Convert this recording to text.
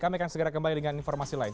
kami akan segera kembali dengan informasi lain